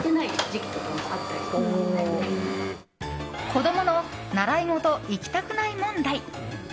子供の習い事行きたくない問題。